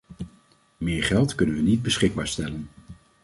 Meer geld kunnen we niet beschikbaar stellen.